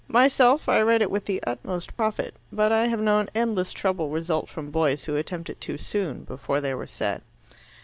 Myself, I read it with the utmost profit, but I have known endless trouble result from boys who attempt it too soon, before they were set."